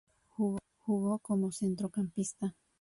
Jugó como centrocampista.